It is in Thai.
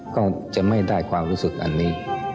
ก็จะไม่ได้ความรู้สึกอันนี้